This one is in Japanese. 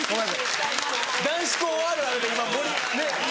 男子校あるあるで今ねぇ。